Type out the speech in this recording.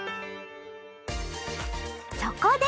そこで！